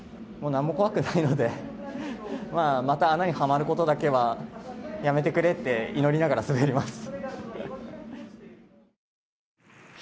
なんも怖くないので、また穴にはまることだけはやめてくれって祈りながら滑ります。